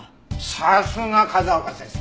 さすが風丘先生。